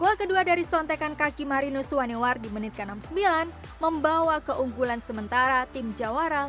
gol kedua dari sontekan kakim marino suanewar di menit ke enam puluh satu membawa keunggulan sementara tim jawara liga dua